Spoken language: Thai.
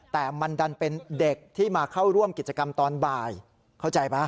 แต่มันดันเป็นเด็กที่มาเข้าร่วมกิจกรรมตอนบ่ายเข้าใจป่ะ